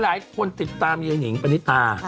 หลายคนติดตามยายนิงปณิตา